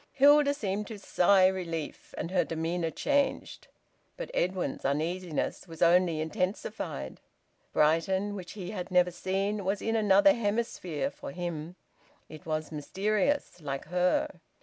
Hilda seemed to sigh relief, and her demeanour changed. But Edwin's uneasiness was only intensified. Brighton, which he had never seen, was in another hemisphere for him. It was mysterious, like her.